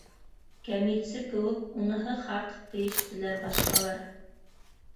—Кәмитсе кеүек, уныһы хаҡ! —тиештеләр башҡалар.